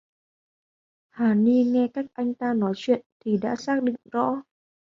Hà Ni nghe cách anh ta nói chuyện thì đã xác định rõ